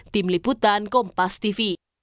tim liputan kompas tv